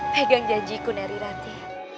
pegang janjiku narirati